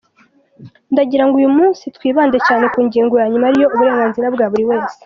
ndagirango uyu munsi twibande cyane ku ngingo ya nyuma ariyo « uburenganzira bwa buri wese ».